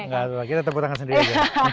gak ada kita tepuk tangan sendiri aja